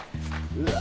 うわ！